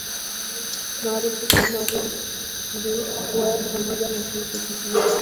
maarufu kama Roe v Wade pamoja na kesi tofauti